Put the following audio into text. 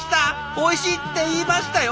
「おいしい」って言いましたよ！